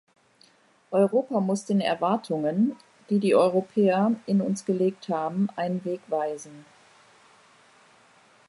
Europa muss den Erwartungen, die die Europäer in uns gelegt haben, einen Weg weisen.